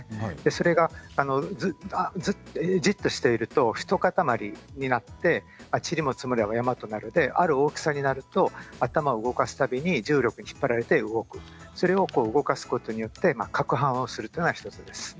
それがじっとしていると一塊になってちりも積もれば山になるである大きさになると頭を動かす度に重力に引っ張られてそれを動かすことによってかくはんするというのが１つです。